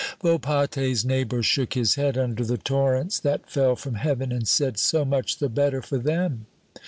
Volpatte's neighbor shook his head under the torrents that fell from heaven and said, "So much the better for them."